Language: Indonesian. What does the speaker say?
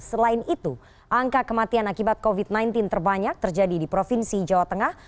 selain itu angka kematian akibat covid sembilan belas terbanyak terjadi di provinsi jawa tengah